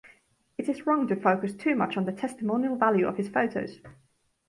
It is wrong to focus too much on the testimonial value of his photos.